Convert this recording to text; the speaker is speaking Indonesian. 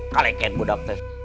kaleke budak teh